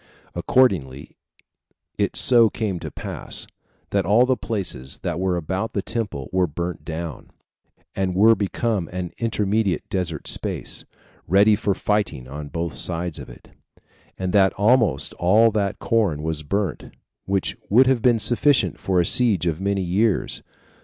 Accordingly, it so came to pass, that all the places that were about the temple were burnt down, and were become an intermediate desert space, ready for fighting on both sides of it; and that almost all that corn was burnt, which would have been sufficient for a siege of many years.